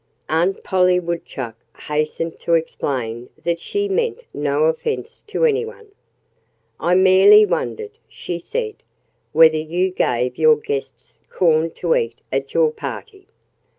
Aunt Polly Woodchuck hastened to explain that she meant no offense to anyone. "I merely wondered," she said, "whether you gave your guests corn to eat at your party."